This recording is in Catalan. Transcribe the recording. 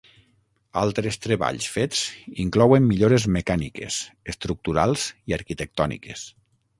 Altres treballs fets inclouen millores mecàniques, estructurals i arquitectòniques.